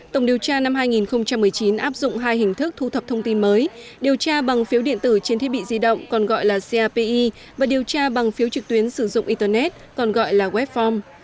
tổng điều tra năm hai nghìn một mươi chín áp dụng hai hình thức thu thập thông tin mới điều tra bằng phiếu điện tử trên thiết bị di động còn gọi là capi và điều tra bằng phiếu trực tuyến sử dụng internet còn gọi là webform